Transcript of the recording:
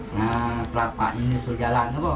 nah telapa ini sudah lama pok